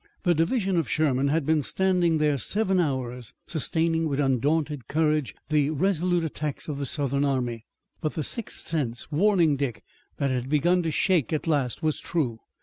The division of Sherman had been standing there seven hours, sustaining with undaunted courage the resolute attacks of the Southern army, but the sixth sense warning Dick that it had begun to shake at last was true.